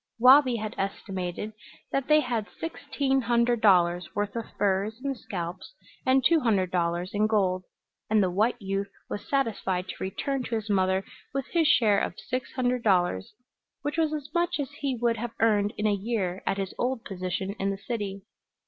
Wabi had estimated that they had sixteen hundred dollars' worth of furs and scalps and two hundred dollars in gold, and the white youth was satisfied to return to his mother with his share of six hundred dollars, which was as much as he would have earned in a year at his old position in the city.